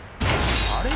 あれ？